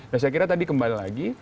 nah saya kira tadi kembali lagi